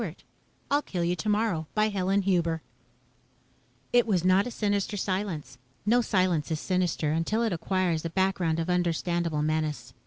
_ I'll Kill You Tomorrow By Helen Huber Illustrated by Kelly Freas It was not a sinister silence. No silence is sinister until it acquires a background of understandable menace.